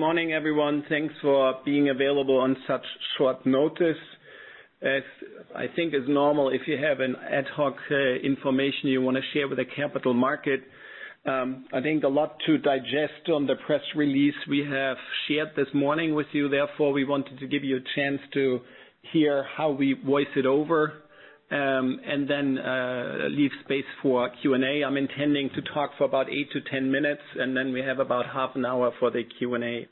Good morning, everyone. Thanks for being available on such short notice. As I think is normal, if you have an ad hoc information you want to share with a capital market, I think a lot to digest on the press release we have shared this morning with you. We wanted to give you a chance to hear how we voice it over, and then leave space for Q&A. I'm intending to talk for about eight to 10 minutes, and then we have about half an hour for the Q&A.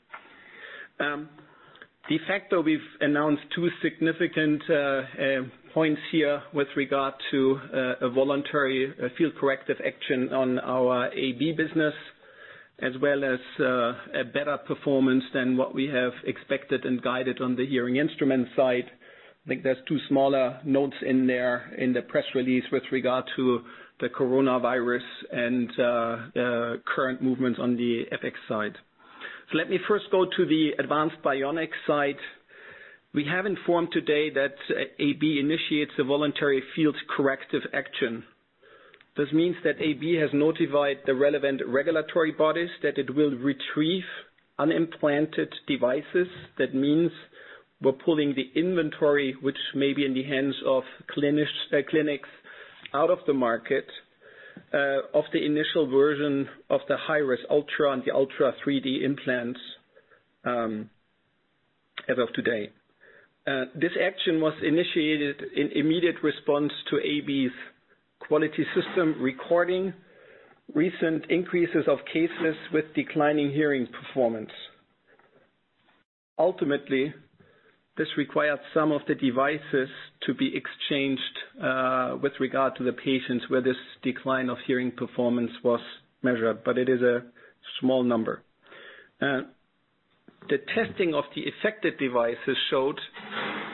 De facto, we've announced two significant points here with regard to a voluntary field corrective action on our AB business, as well as a better performance than what we have expected and guided on the hearing instrument side. I think there's two smaller notes in there in the press release with regard to the coronavirus and current movements on the FX side. Let me first go to the Advanced Bionics side. We have informed today that AB initiates a voluntary field corrective action. This means that AB has notified the relevant regulatory bodies that it will retrieve unimplanted devices. That means we're pulling the inventory, which may be in the hands of clinics out of the market, of the initial version of the HiRes Ultra and the Ultra 3D implants, as of today. This action was initiated in immediate response to AB's quality system recording recent increases of cases with declining hearing performance. Ultimately, this required some of the devices to be exchanged, with regard to the patients where this decline of hearing performance was measured. It is a small number. The testing of the affected devices showed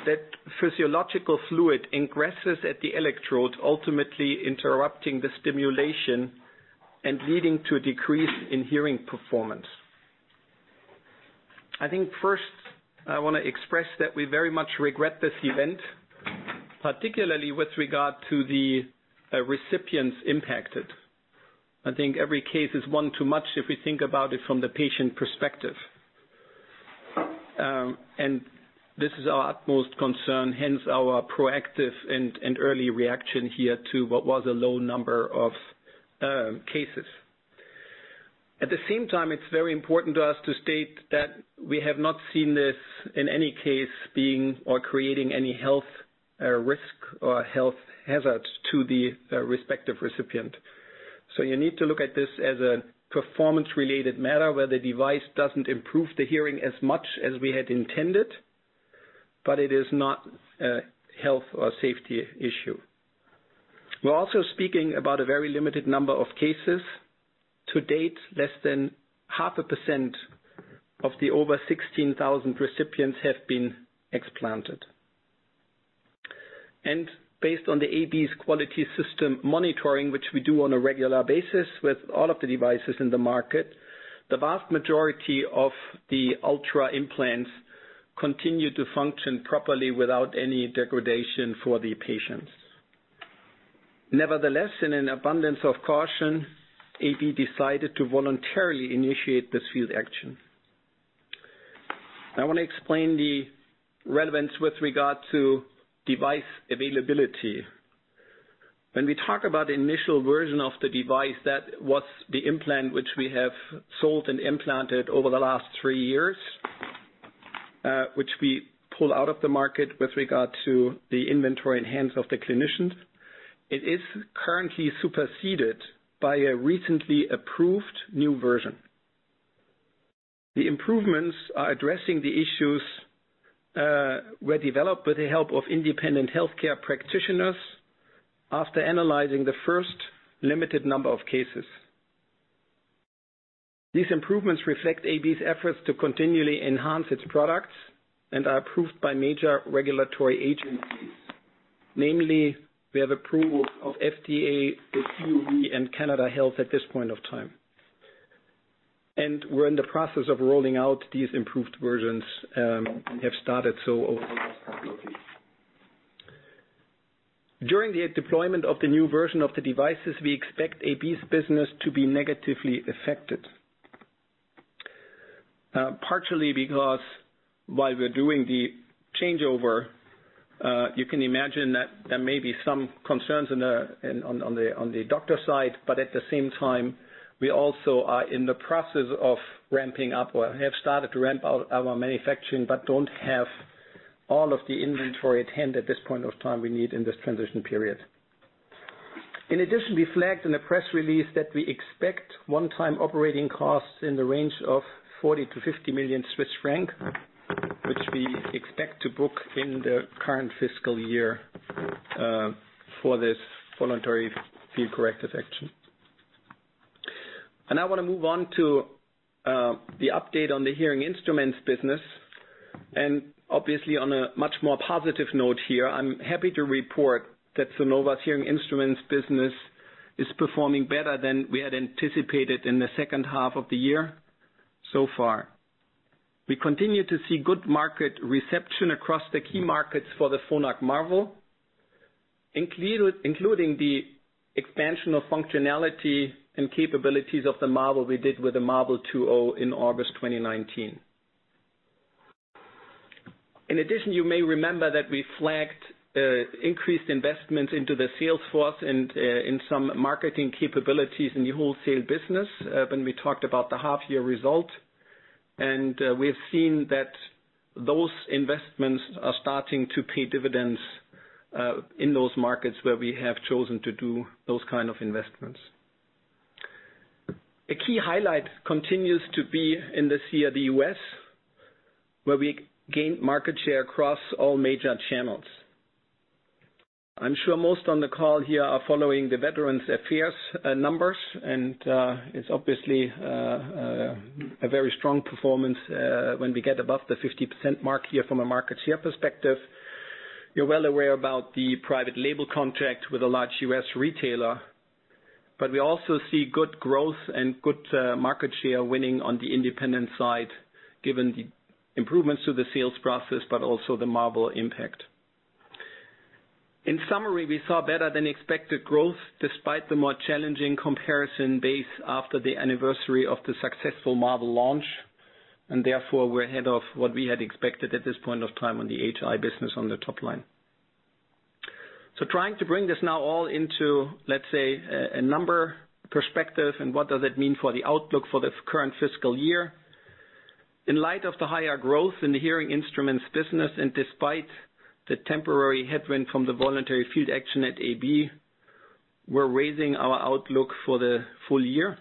that physiological fluid ingresses at the electrode, ultimately interrupting the stimulation and leading to a decrease in hearing performance. I think first I want to express that we very much regret this event, particularly with regard to the recipients impacted. I think every case is one too much if we think about it from the patient perspective. This is our utmost concern, hence our proactive and early reaction here to what was a low number of cases. At the same time, it's very important to us to state that we have not seen this in any case being or creating any health risk or health hazard to the respective recipient. You need to look at this as a performance related matter where the device doesn't improve the hearing as much as we had intended, but it is not a health or safety issue. We're also speaking about a very limited number of cases. To date, less than 0.5% of the over 16,000 recipients have been explanted. Based on the AB's quality system monitoring, which we do on a regular basis with all of the devices in the market, the vast majority of the Ultra implants continue to function properly without any degradation for the patients. Nevertheless, in an abundance of caution, AB decided to voluntarily initiate this field action. I want to explain the relevance with regard to device availability. When we talk about the initial version of the device, that was the implant which we have sold and implanted over the last three years, which we pull out of the market with regard to the inventory in the hands of the clinicians. It is currently superseded by a recently approved new version. The improvements are addressing the issues, were developed with the help of independent healthcare practitioners after analyzing the first limited number of cases. These improvements reflect AB's efforts to continually enhance its products and are approved by major regulatory agencies. Namely, we have approval of FDA, the CE, and Health Canada at this point of time. We're in the process of rolling out these improved versions, and have started so over the last couple of weeks. During the deployment of the new version of the devices, we expect AB's business to be negatively affected. Partially because while we're doing the changeover, you can imagine that there may be some concerns on the doctor side, but at the same time, we also are in the process of ramping up or have started to ramp out our manufacturing, but don't have all of the inventory at hand at this point of time we need in this transition period. In addition, we flagged in the press release that we expect one-time operating costs in the range of 40 million-50 million Swiss francs, which we expect to book in the current fiscal year, for this voluntary field corrective action. I want to move on to the update on the hearing instruments business, and obviously on a much more positive note here. I'm happy to report that Sonova's hearing instruments business is performing better than we had anticipated in the second half of the year so far. We continue to see good market reception across the key markets for the Phonak Marvel, including the expansion of functionality and capabilities of the Marvel we did with the Marvel 2.0 in August 2019. In addition, you may remember that we flagged increased investments into the sales force and in some marketing capabilities in the wholesale business when we talked about the half-year result, we have seen that those investments are starting to pay dividends, in those markets where we have chosen to do those kind of investments. A key highlight continues to be in this year, the U.S., where we gained market share across all major channels. I'm sure most on the call here are following the Veterans Affairs numbers, it's obviously a very strong performance, when we get above the 50% mark here from a market share perspective. You're well aware about the private label contract with a large U.S. retailer. We also see good growth and good market share winning on the independent side given the improvements to the sales process, but also the Marvel impact. In summary, we saw better than expected growth despite the more challenging comparison base after the anniversary of the successful Marvel launch, and therefore we're ahead of what we had expected at this point of time on the HI business on the top line. Trying to bring this now all into, let's say, a number perspective and what does it mean for the outlook for the current fiscal year. In light of the higher growth in the hearing instruments business, and despite the temporary headwind from the voluntary field action at AB, we're raising our outlook for the full year.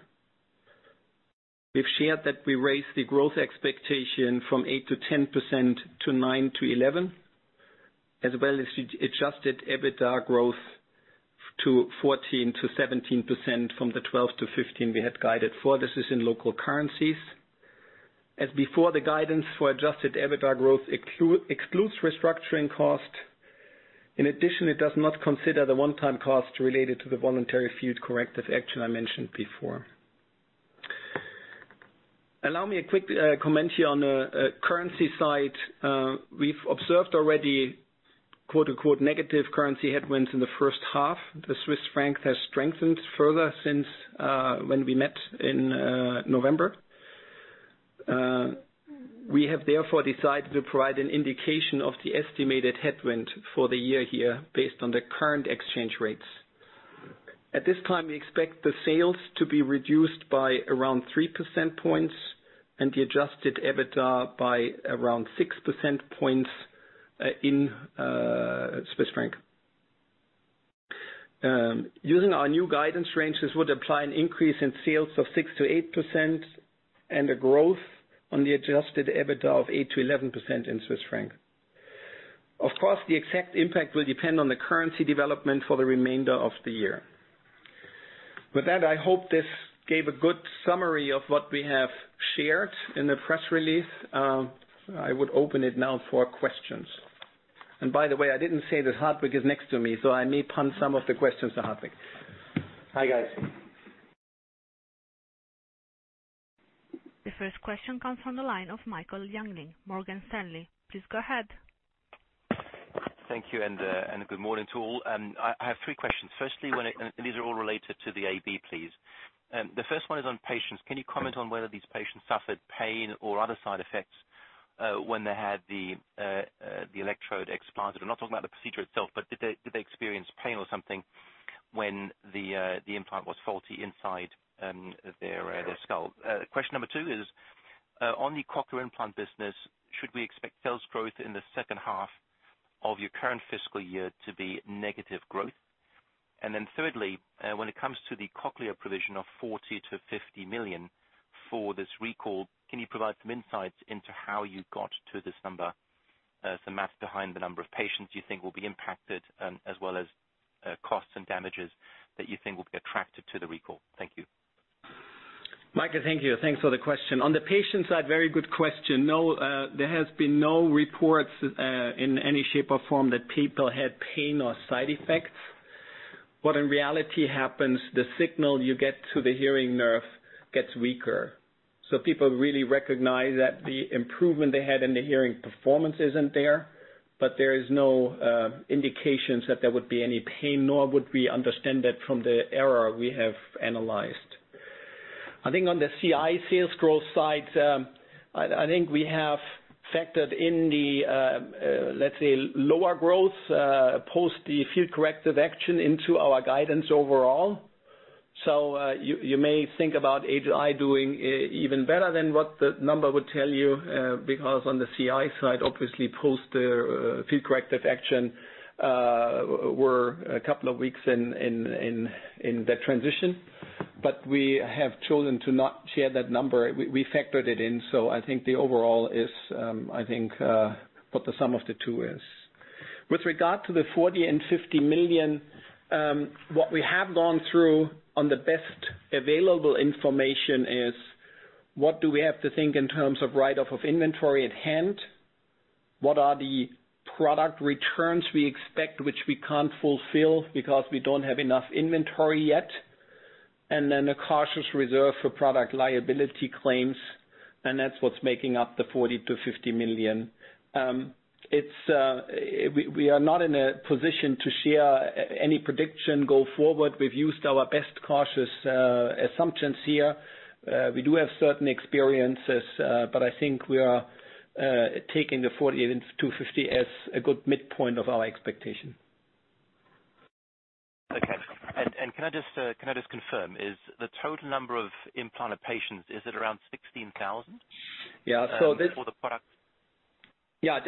We've shared that we raised the growth expectation from 8%-10% to 9%-11%, as well as adjusted EBITDA growth to 14%-17% from the 12%-15% we had guided for. This is in local currencies. As before, the guidance for adjusted EBITDA growth excludes restructuring cost. In addition, it does not consider the one-time cost related to the voluntary field corrective action I mentioned before. Allow me a quick comment here on the currency side. We've observed already, quote unquote, "negative currency headwinds" in the first half. The Swiss franc has strengthened further since when we met in November. We have therefore decided to provide an indication of the estimated headwind for the year here based on the current exchange rates. At this time, we expect the sales to be reduced by around 3% points and the adjusted EBITDA by around 6% points in Swiss franc. Using our new guidance ranges would apply an increase in sales of six to 8% and a growth on the adjusted EBITDA of eight to 11% in Swiss franc. Of course, the exact impact will depend on the currency development for the remainder of the year. With that, I hope this gave a good summary of what we have shared in the press release. I would open it now for questions. By the way, I didn't say that Hartwig is next to me, so I may punt some of the questions to Hartwig. Hi, guys. The first question comes from the line of Michael Yeung, Morgan Stanley. Please go ahead. Thank you, good morning to all. I have three questions. Firstly, these are all related to the AB please. The first one is on patients. Can you comment on whether these patients suffered pain or other side effects when they had the electrode explanted? I'm not talking about the procedure itself, did they experience pain or something when the implant was faulty inside their skull? Question number two is, on the cochlear implant business, should we expect sales growth in the second half of your current fiscal year to be negative growth? Thirdly, when it comes to the cochlear provision of 40 million to 50 million for this recall, can you provide some insights into how you got to this number? The math behind the number of patients you think will be impacted, as well as costs and damages that you think will be attracted to the recall. Thank you. Michael, thank you. Thanks for the question. On the patient side, very good question. No, there has been no reports in any shape or form that people had pain or side effects. What in reality happens, the signal you get to the hearing nerve gets weaker, so people really recognize that the improvement they had in the hearing performance isn't there, but there is no indications that there would be any pain, nor would we understand that from the error we have analyzed. I think on the CI sales growth side, I think we have factored in the, let's say, lower growth, post the field corrective action into our guidance overall. you may think about HI doing even better than what the number would tell you, because on the CI side, obviously post the field corrective action, we're a couple of weeks in that transition. We have chosen to not share that number. We factored it in, so I think the overall is what the sum of the two is. With regard to the 40 million and 50 million, what we have gone through on the best available information is what do we have to think in terms of write-off of inventory at hand? What are the product returns we expect which we can't fulfill because we don't have enough inventory yet. Then a cautious reserve for product liability claims, and that's what's making up the 40 million-50 million. We are not in a position to share any prediction go forward. We've used our best cautious assumptions here. We do have certain experiences, but I think we are taking the 40 million-50 million as a good midpoint of our expectation. Okay. Can I just confirm, is the total number of implanted patients, is it around 16,000? Yeah. For the product- Yeah.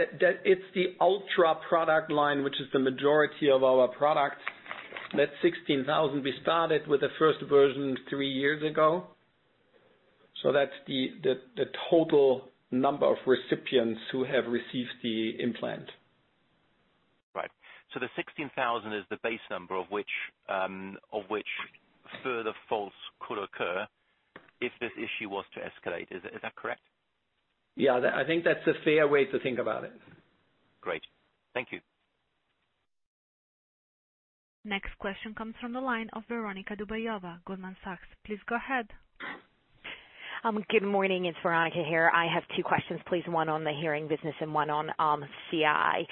It's the Ultra product line, which is the majority of our product. That's 16,000. We started with the first version three years ago. That's the total number of recipients who have received the implant. Right. the 16,000 is the base number of which further faults could occur if this issue was to escalate. Is that correct? Yeah, I think that's a fair way to think about it. Great. Thank you. Next question comes from the line of Veronika Dubajova, Goldman Sachs. Please go ahead. Good morning. It's Veronika here. I have two questions, please, one on the hearing business and one on CI.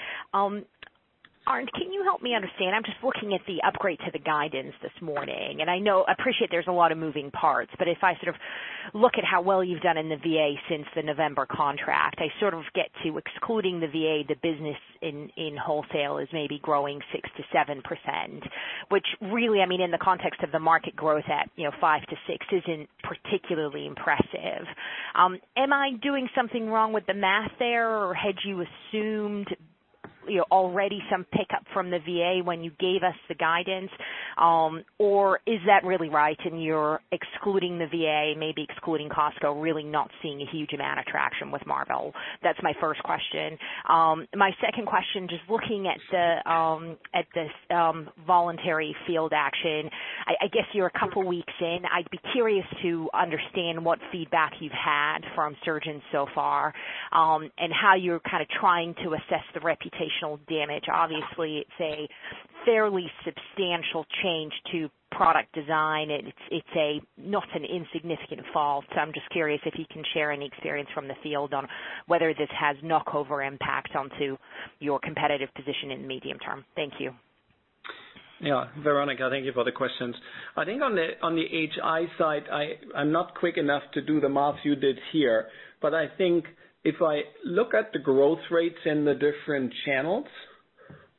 Arnd, can you help me understand, I'm just looking at the upgrade to the guidance this morning, and I appreciate there's a lot of moving parts, but if I sort of look at how well you've done in the VA since the November contract, I sort of get to excluding the VA, the business in wholesale is maybe growing 6%-7%, which really, I mean, in the context of the market growth at 5%-6% isn't particularly impressive. Am I doing something wrong with the math there, or had you assumed already some pickup from the VA when you gave us the guidance? Or is that really right and you're excluding the VA, maybe excluding Costco, really not seeing a huge amount of traction with Marvel? That's my first question. My second question, just looking at this voluntary field action, I guess you're a couple weeks in. I'd be curious to understand what feedback you've had from surgeons so far, and how you're kind of trying to assess the reputational damage. Obviously, it's a fairly substantial change to product design, and it's not an insignificant fault, so I'm just curious if you can share any experience from the field on whether this has knock over impact onto your competitive position in the medium term. Thank you. Yeah, Veronika, thank you for the questions. I think on the HI side, I'm not quick enough to do the math you did here, but I think if I look at the growth rates in the different channels,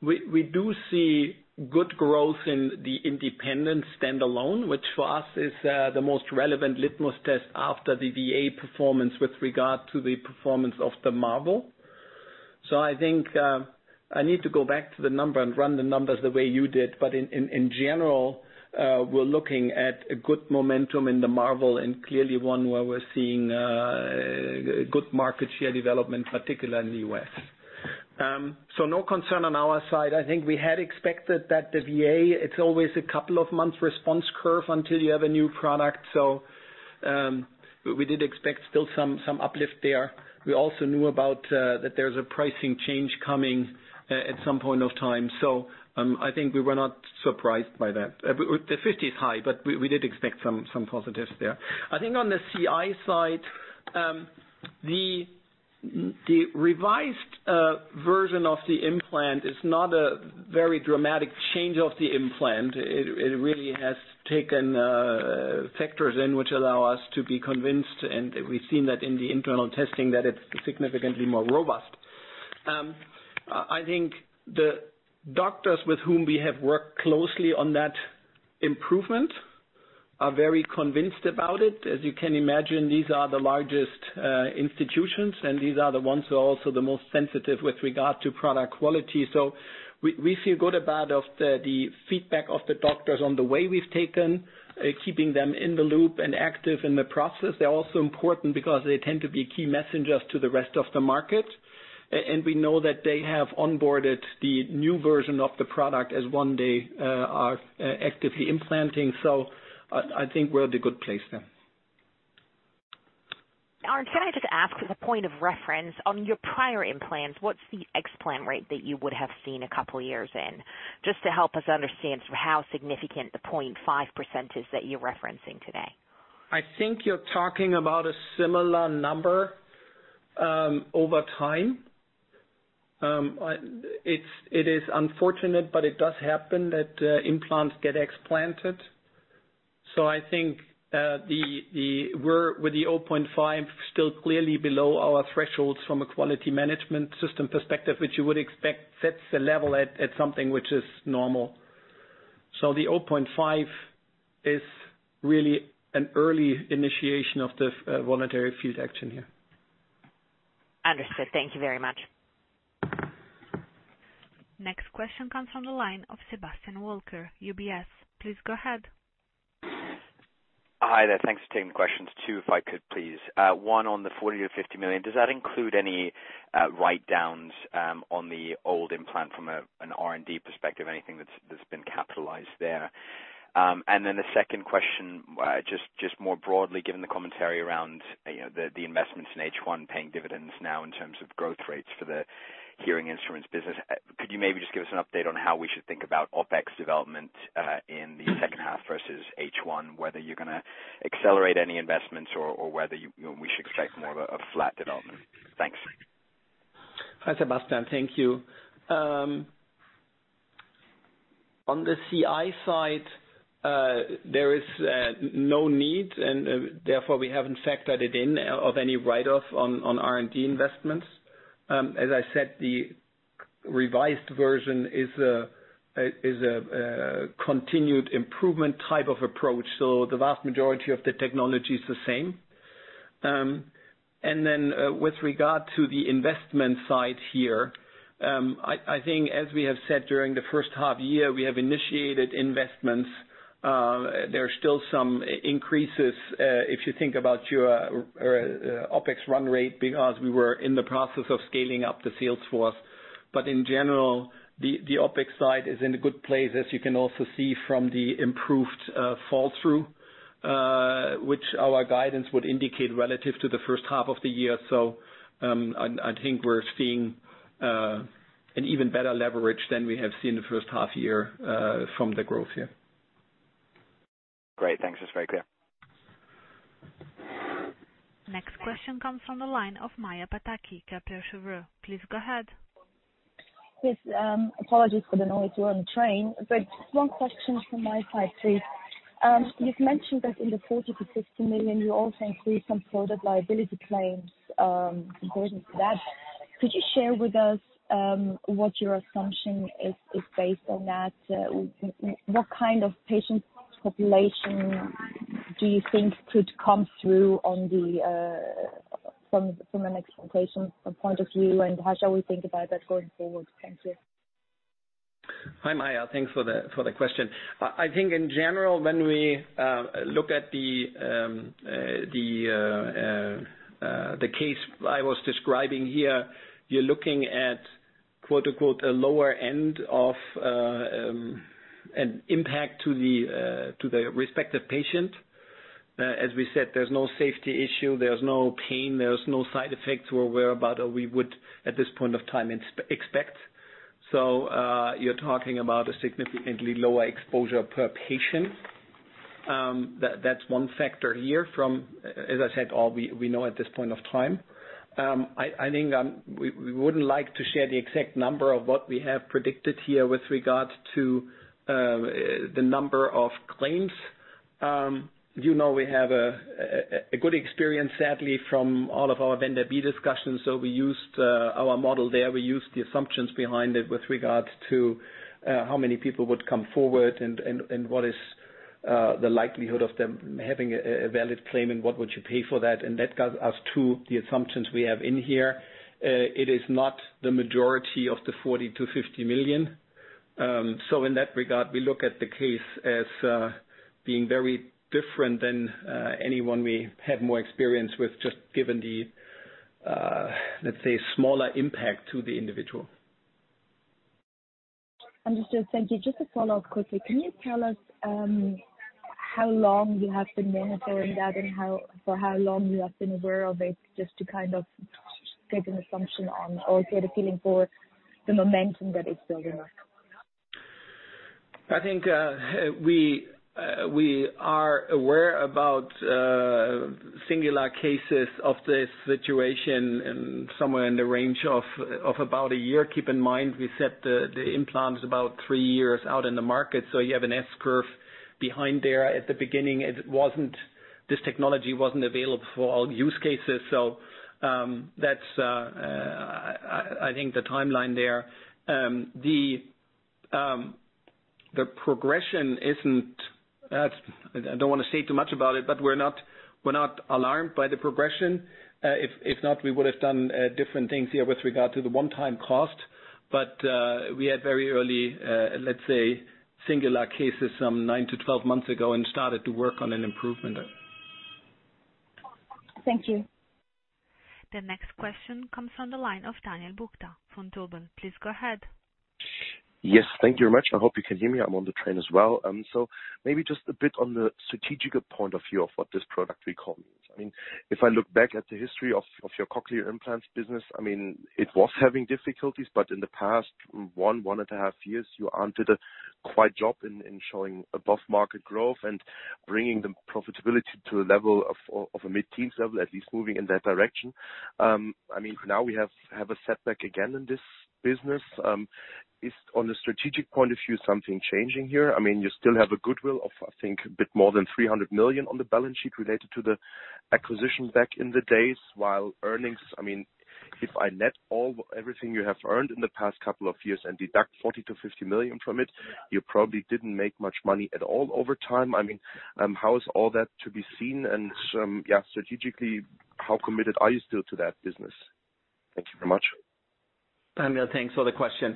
we do see good growth in the independent standalone, which for us is the most relevant litmus test after the VA performance with regard to the performance of the Marvel. I think I need to go back to the number and run the numbers the way you did, but in general, we're looking at a good momentum in the Marvel and clearly one where we're seeing good market share development, particularly in the U.S. No concern on our side. I think we had expected that the VA, it's always a couple of months response curve until you have a new product. We did expect still some uplift there. We also knew about that there's a pricing change coming at some point of time, so I think we were not surprised by that. The 50 is high, but we did expect some positives there. I think on the CI side, the revised version of the implant is not a very dramatic change of the implant. It really has taken factors in which allow us to be convinced, and we've seen that in the internal testing that it's significantly more robust. I think the doctors with whom we have worked closely on that improvement are very convinced about it. As you can imagine, these are the largest institutions, and these are the ones who are also the most sensitive with regard to product quality. We feel good about the feedback of the doctors on the way we've taken, keeping them in the loop and active in the process. They're also important because they tend to be key messengers to the rest of the market. We know that they have onboarded the new version of the product as one they are actively implanting. I think we're at a good place there. Arnd, can I just ask as a point of reference, on your prior implants, what's the explant rate that you would have seen a couple of years in? Just to help us understand how significant the 0.5% is that you're referencing today. I think you're talking about a similar number over time. It is unfortunate, but it does happen that implants get explanted. I think with the 0.5 still clearly below our thresholds from a quality management system perspective, which you would expect sets the level at something which is normal. The 0.5 is really an early initiation of the voluntary field action here. Understood. Thank you very much. Next question comes from the line of Sebastian Walker, UBS. Please go ahead. Hi there. Thanks for taking the questions. Two, if I could please. One on the 40 million-50 million. Does that include any write-downs on the old implant from an R&D perspective? Anything that's been capitalized there? The second question, just more broadly, given the commentary around the investments in H1 paying dividends now in terms of growth rates for the hearing instruments business, could you maybe just give us an update on how we should think about OpEx development in the second half versus H1? Whether you're going to accelerate any investments or whether we should expect more of a flat development. Thanks. Hi, Sebastian. Thank you. On the CI side, there is no need, and therefore we haven't factored it in of any write-off on R&D investments. As I said, the revised version is a continued improvement type of approach. The vast majority of the technology is the same. With regard to the investment side here, I think as we have said during the first half year, we have initiated investments. There are still some increases, if you think about your OpEx run rate, because we were in the process of scaling up the sales force. In general, the OpEx side is in a good place, as you can also see from the improved fall-through, which our guidance would indicate relative to the first half of the year. I think we're seeing an even better leverage than we have seen the first half year from the growth here. Great. Thanks. That's very clear. Next question comes from the line of Maja Pataki, Kepler Cheuvreux. Please go ahead. Yes, apologies for the noise. We're on a train. Just one question from my side, please. You've mentioned that in the 40 million-EUR 50 million you also include some product liability claims. According to that, could you share with us what your assumption is based on that? What kind of patient population do you think could come through from an expectation point of view, and how shall we think about that going forward? Thank you. Hi, Maja. Thanks for the question. I think in general, when we look at the case I was describing here, you're looking at "a lower end" of an impact to the respective patient. As we said, there's no safety issue, there's no pain, there's no side effects we're aware about or we would, at this point of time, expect. You're talking about a significantly lower exposure per patient. That's one factor here from, as I said, all we know at this point of time. I think we wouldn't like to share the exact number of what we have predicted here with regards to the number of claims. You know we have a good experience, sadly, from all of our vendor B discussions, so we used our model there. We used the assumptions behind it with regards to how many people would come forward, and what is the likelihood of them having a valid claim, and what would you pay for that? That got us to the assumptions we have in here. It is not the majority of the 40 million-50 million. In that regard, we look at the case as being very different than anyone we have more experience with, just given the, let's say, smaller impact to the individual. Understood. Thank you. Just to follow up quickly, can you tell us how long you have been monitoring that and for how long you have been aware of it, just to kind of take an assumption on or get a feeling for the momentum that is building up? I think we are aware about singular cases of this situation somewhere in the range of about a year. Keep in mind, we set the implants about three years out in the market, so you have an S-curve behind there. At the beginning, this technology wasn't available for all use cases. That's I think the timeline there. The progression isn't. I don't want to say too much about it, but we're not alarmed by the progression. If not, we would have done different things here with regard to the one-time cost. We had very early, let's say, singular cases some nine to 12 months ago and started to work on an improvement. Thank you. The next question comes from the line of Daniel Buchta from Dober. Please go ahead. Yes. Thank you very much. I hope you can hear me. I'm on the train as well. Maybe just a bit on the strategic point of view of what this product recall means. If I look back at the history of your cochlear implants business, it was having difficulties, but in the past one and a half years, you did a quite job in showing above-market growth and bringing the profitability to the level of a mid-teens level, at least moving in that direction. Now we have a setback again in this business. Is on the strategic point of view, something changing here? You still have a goodwill of, I think, a bit more than 300 million on the balance sheet related to the acquisition back in the days while earnings. If I net everything you have earned in the past couple of years and deduct 40 million-50 million from it, you probably didn't make much money at all over time. How is all that to be seen? Strategically, how committed are you still to that business? Thank you very much. Daniel, thanks for the question.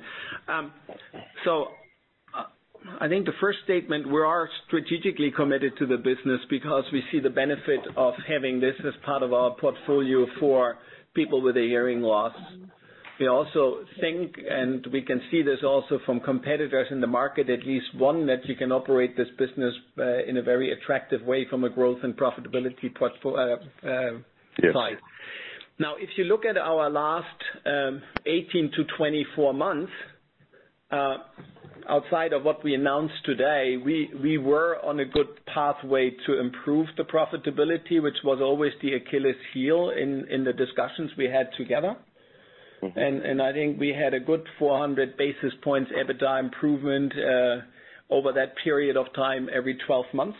I think the first statement, we are strategically committed to the business because we see the benefit of having this as part of our portfolio for people with a hearing loss. We also think, and we can see this also from competitors in the market, at least one, that you can operate this business in a very attractive way from a growth and profitability side. Yes. Now, if you look at our last 18-24 months, outside of what we announced today, we were on a good pathway to improve the profitability, which was always the Achilles heel in the discussions we had together. I think we had a good 400 basis points EBITDA improvement over that period of time every 12 months.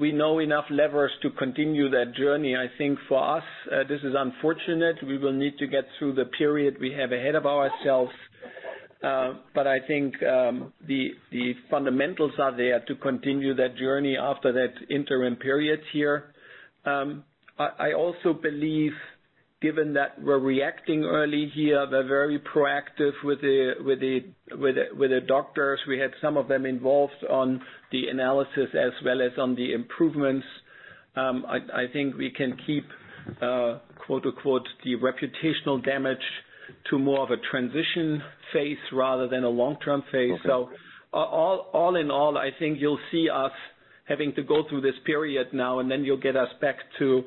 We know enough levers to continue that journey. I think for us, this is unfortunate. We will need to get through the period we have ahead of ourselves. I think the fundamentals are there to continue that journey after that interim period here. I also believe, given that we're reacting early here, we're very proactive with the doctors. We had some of them involved on the analysis as well as on the improvements. I think we can keep, quote unquote, the reputational damage to more of a transition phase rather than a long-term phase. Okay. All in all, I think you'll see us having to go through this period now, and then you'll get us back to,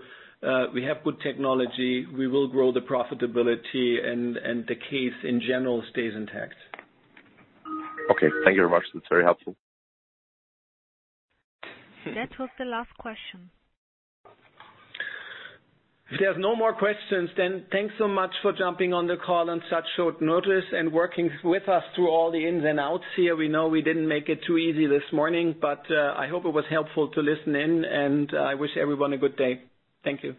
we have good technology, we will grow the profitability, and the case in general stays intact. Okay. Thank you very much. That's very helpful. That was the last question. If there's no more questions, thanks so much for jumping on the call on such short notice and working with us through all the ins and outs here. We know we didn't make it too easy this morning, but I hope it was helpful to listen in, and I wish everyone a good day. Thank you.